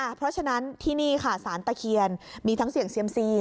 เพราะฉะนั้นที่นี่ค่ะสารตะเคียนมีทั้งเสี่ยงเซียมซี